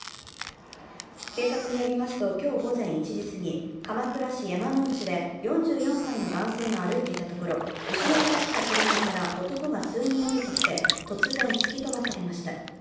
警察によりますと、今日午前１時過ぎ、鎌倉市山ノ内で、４４歳の男性が歩いていたところ、後ろから来た車から男が数人降りてきて突然、突き飛ばされました。